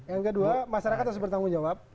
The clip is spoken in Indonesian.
yang kedua masyarakat harus bertanggung jawab